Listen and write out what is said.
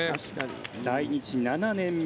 来日７年目。